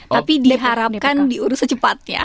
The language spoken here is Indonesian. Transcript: tapi diharapkan diurus secepatnya